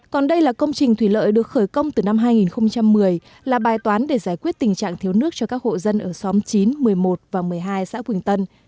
còn đây là công trình thủy lợi được khởi công từ năm hai nghìn một mươi là bài toán để giải quyết tình trạng thiếu nước cho các hộ dân ở xóm chín một mươi một và một mươi hai xã quỳnh tân